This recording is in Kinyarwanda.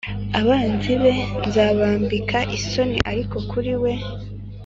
Abanzi be nzabambika isoni Ariko kuri we